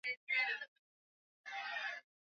Hutokea maeneo mengi ya nchi